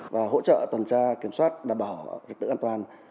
và hỗ trợ tần tra kiểm soát đảm bảo dịch tử an toàn